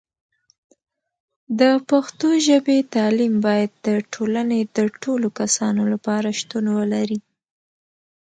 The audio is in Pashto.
د پښتو ژبې تعلیم باید د ټولنې د ټولو کسانو لپاره شتون ولري.